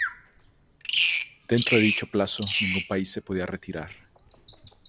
Dentro de dicho plazo ningún país se podía retirar.